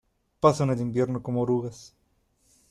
Pasan el invierno como orugas.